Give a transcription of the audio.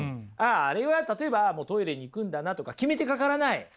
ああれは例えばトイレに行くんだなとか決めてかからない！